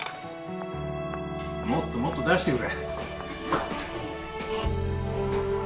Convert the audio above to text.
もっともっと出してくれ。